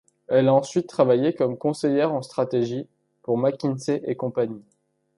Elle a ensuite travaillé comme conseillère en stratégie pour McKinsey & Company.